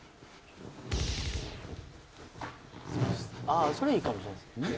ああそれいいかもしれないですね。